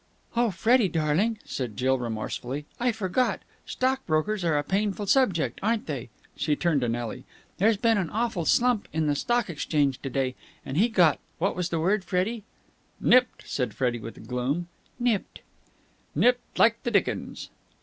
"Oh, Freddie, darling!" said Jill remorsefully. "I forgot! Stockbrokers are a painful subject, aren't they!" She turned to Nelly. "There's been an awful slump on the Stock Exchange to day, and he got what was the word, Freddie?" "Nipped!" said Freddie with gloom. "Nipped!" "Nipped like the dickens!"